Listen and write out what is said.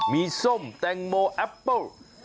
มีส้มแตงโมแอปเปิ้ล